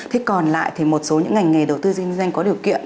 thế còn lại thì một số những ngành nghề đầu tư kinh doanh có điều kiện